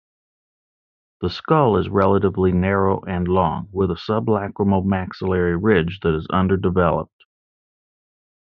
The skull is relatively narrow and long, with a sublacrimal-maxillary ridge that is underdeveloped.